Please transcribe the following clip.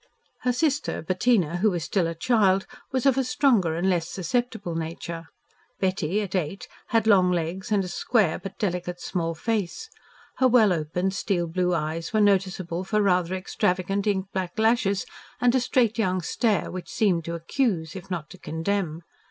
Her sister Bettina, who was still a child, was of a stronger and less susceptible nature. Betty at eight had long legs and a square but delicate small face. Her well opened steel blue eyes were noticeable for rather extravagant ink black lashes and a straight young stare which seemed to accuse if not to condemn.